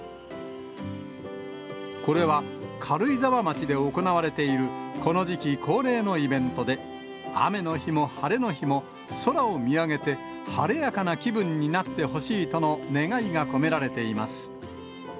これは、軽井沢町で行われている、この時期恒例のイベントで、雨の日も晴れの日も、空を見上げて晴れやかな気分になってほしいとの願いが込められています。